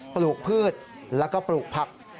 ปลูกพืชแล้วก็ปลูกผัก